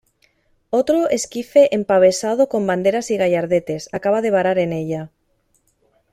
otro esquife empavesado con banderas y gallardetes, acababa de varar en ella ,